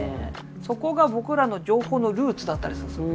そこが僕らの情報のルーツだったんですよ。